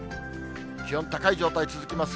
気温、高い状態続きます。